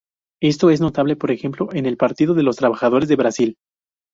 Esto es notable, por ejemplo, en el Partido de los Trabajadores de Brasil.